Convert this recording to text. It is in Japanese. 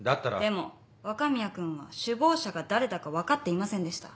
でも若宮君は首謀者が誰だか分かっていませんでした。